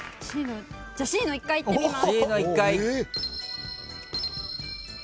じゃあＣの１階いってみます。